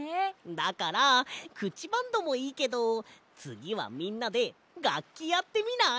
だからくちバンドもいいけどつぎはみんなでがっきやってみない？